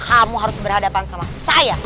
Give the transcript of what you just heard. kamu harus berhadapan sama saya